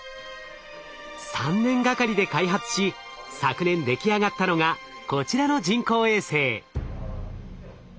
３年がかりで開発し昨年出来上がったのがこちらの人工衛星。